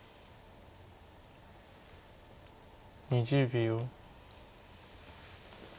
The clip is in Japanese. ２０秒。